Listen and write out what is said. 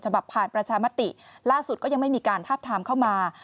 ผ่านประชามติล่าสุดก็ยังไม่มีการทาบทามเข้ามา